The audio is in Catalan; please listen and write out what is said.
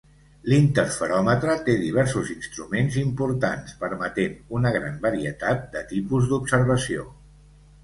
L'interferòmetre té diversos instruments importants, permetent una gran varietat de tipus d'observació.